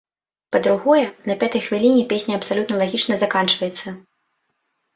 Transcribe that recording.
Па-другое, на пятай хвіліне песня абсалютна лагічна заканчваецца.